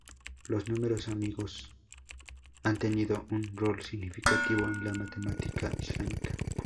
Los números amigos han tenido un rol significativo en la matemática islámica.